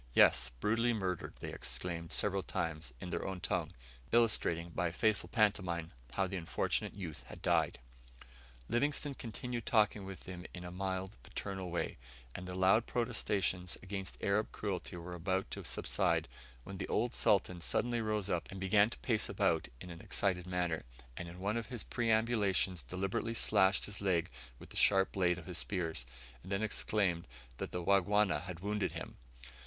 "Yes, brutally murdered!" they exclaimed several times, in their own tongue; illustrating, by a faithful pantomime, how the unfortunate youth had died. Livingstone continued talking with them in a mild, paternal way, and their loud protestations against Arab cruelty were about to subside, when the old Sultan suddenly rose up and began to pace about in an excited manner, and in one of his perambulations deliberately slashed his leg with the sharp blade of his spear, and then exclaimed that the Wangwana had wounded him!